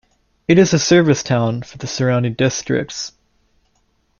It is a service town for the surrounding districts.